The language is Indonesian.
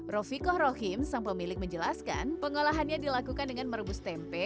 rofikoh rohim sang pemilik menjelaskan pengolahannya dilakukan dengan merebus tempe